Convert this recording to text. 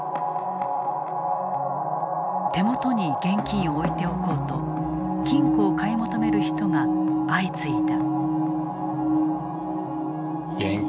手元に現金を置いておこうと金庫を買い求める人が相次いだ。